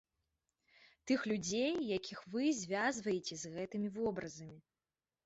Тых людзей, якіх вы звязваеце з гэтымі вобразамі.